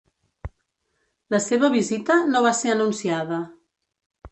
La seva visita no va ser anunciada.